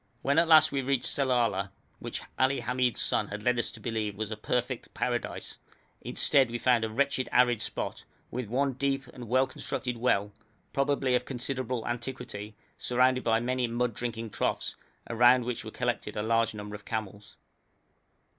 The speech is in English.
When at last we reached Sellala, which Ali Hamid's son had led us to believe was a perfect Paradise, instead we found a wretched arid spot, with one deep and well constructed well, probably of considerable antiquity, surrounded by many mud drinking troughs, around which were collected a large number of camels.